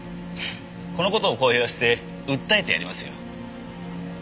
この事を公表して訴えてやりますよ。